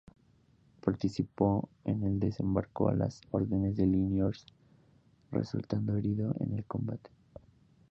Participó en el desembarco a las órdenes de Liniers resultando herido en el combate.